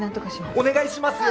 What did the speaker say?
お願いしますよ！